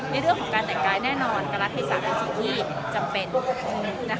ในเรื่องของการแต่งกายแน่นอนการรัฐเทศะเป็นสิ่งที่จำเป็น